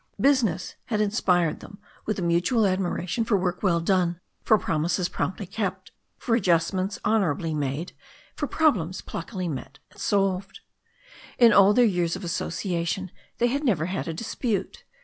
Business had inspired them with a mutual admiration for work well done, for promises promptly kept, for adjustments honourably made, for problems pluckily met and solved. In all their years of association they had never had a dispute.